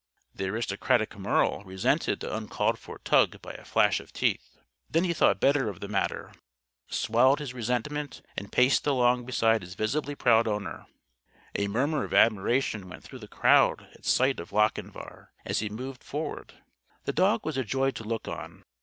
The aristocratic Merle resented the uncalled for tug by a flash of teeth. Then he thought better of the matter, swallowed his resentment and paced along beside his visibly proud owner. A murmur of admiration went through the crowd at sight of Lochinvar as he moved forward. The dog was a joy to look on.